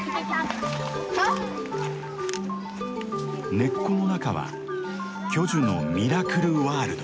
根っこの中は巨樹のミラクルワールド。